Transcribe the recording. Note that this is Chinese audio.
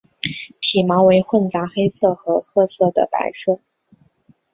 体毛为混杂黑色和褐色的白色。